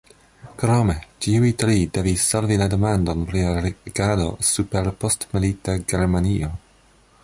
Krome, ĉiuj tri devis solvi la demandon pri la regado super postmilita Germanio.